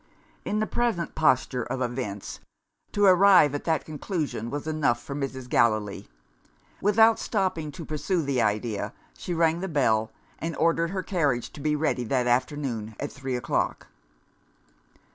In the present posture of events, to arrive at that conclusion was enough for Mrs. Gallilee. Without stopping to pursue the idea, she rang the bell, and ordered her carriage to be ready that afternoon, at three o'clock.